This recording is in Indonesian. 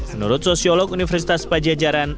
menurut sosiolog universitas pajajaran